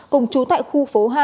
cùng chú tại khu phố hai